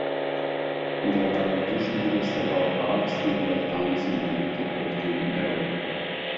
There are additionally several parks nearby towns in the metropolitan area.